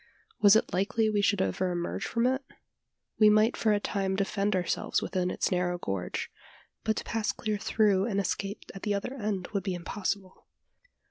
Was it likely we should ever emerge from it? We might for a time defend ourselves within its narrow gorge; but to pass clear through and escape at the other end would be impossible.